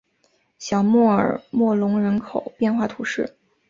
小穆尔默隆人口变化图示